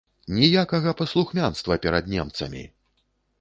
Ніякага паслухмянства перад немцамі!